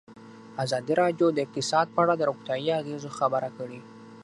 ازادي راډیو د اقتصاد په اړه د روغتیایي اغېزو خبره کړې.